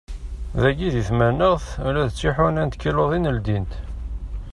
Dagi di tmanaɣt ula d tiḥuna n tkiluḍin ldint.